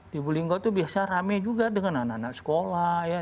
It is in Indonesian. di bolinggo itu biasa rame juga dengan anak anak sekolah ya